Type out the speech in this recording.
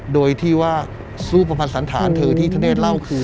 โดยที่ว่าซูบประมาณศาลฐานเธอที่ทะเนตเล่าคือ